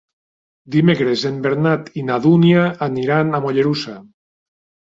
Dimecres en Bernat i na Dúnia aniran a Mollerussa.